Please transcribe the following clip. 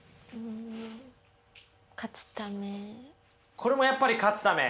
これもやっぱり勝つため。